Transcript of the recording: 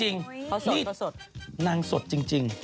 นี่นางสดจริง